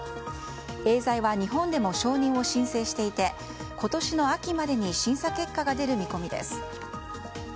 エーザイは日本でも承認を申請していて今年の秋までに審査結果が出る見込みです。